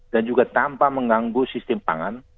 dan juga tanpa mengganggu sistem pangan